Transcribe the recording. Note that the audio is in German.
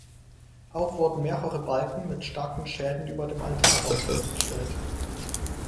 Auch wurden mehrere Balken mit starken Schäden über dem Altarraum festgestellt.